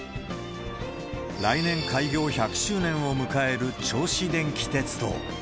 来年、開業１００周年を迎える銚子電気鉄道。